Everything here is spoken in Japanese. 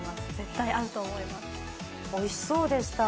おいしそうでした。